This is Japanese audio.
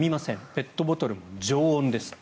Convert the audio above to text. ペットボトルも常温です。